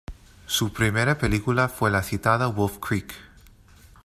Su primera película fue la citada Wolf Creek.